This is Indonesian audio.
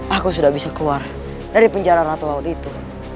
aku sudah bisa keluar dari penjara ratu laut itu